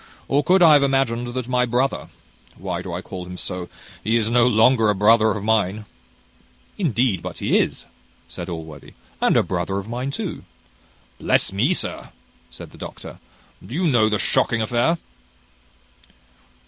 or could I have imagined that my brother why do I call him so? he is no longer a brother of mine " "Indeed but he is," said Allworthy, "and a brother of mine too." "Bless me, sir!" said the doctor, "do you know the shocking affair?"